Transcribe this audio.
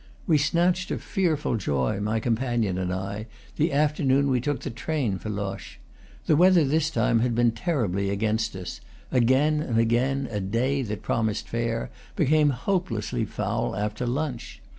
We snatched a fearful joy, my companion and I, the afternoon we took the train for Loches. The weather this time had been terribly against us: again and again a day that promised fair became hope lessly foul after lunch.